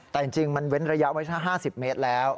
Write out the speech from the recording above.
แต่จริงมันเว้นระยะไว้ถ้า๕๐เมตรแล้ว